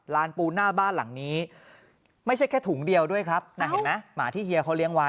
ปูหน้าบ้านหลังนี้ไม่ใช่แค่ถุงเดียวด้วยครับนะเห็นไหมหมาที่เฮียเขาเลี้ยงไว้